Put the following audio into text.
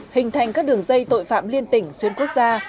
hình thành các đường dây tội phạm liên tỉnh xuyên quốc gia